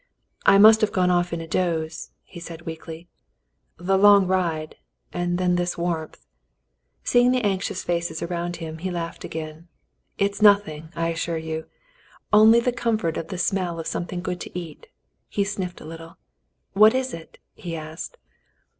"I must have gone off in a doze," he said weakly. "The long ride and then this warmth —" Seeing the anxious faces around him, he laughed again. "It's noth ing, I assure you, only the comfort and the smell of some thing good to eat;" he sniffed a little. "What is it?" he asked.